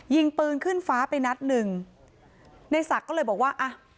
ยิงปืนขึ้นฟ้าไปนัดหนึ่งในศักดิ์ก็เลยบอกว่าอ่ะ